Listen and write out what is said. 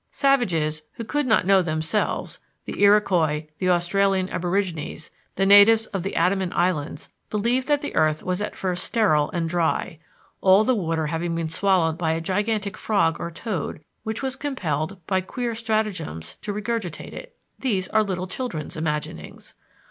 Savages who could not know themselves the Iroquois, the Australian aborigines, the natives of the Andaman Islands believed that the earth was at first sterile and dry, all the water having been swallowed by a gigantic frog or toad which was compelled, by queer stratagems, to regurgitate it. These are little children's imaginings.